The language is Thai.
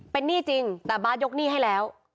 เป็นหนี้จริงแต่บาทยกหนี้ให้แล้ว